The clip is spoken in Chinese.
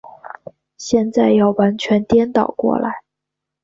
现在要完全颠倒过来。